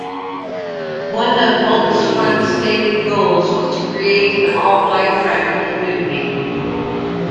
One of Volksfront's stated goals was to create an all-white private community.